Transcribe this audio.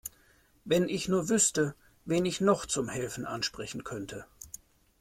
Wenn ich nur wüsste, wen ich noch zum Helfen ansprechen könnte.